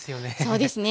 そうですね。